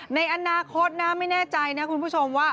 ในอนาคตนะไม่แน่ใจนะคุณผู้ชมว่า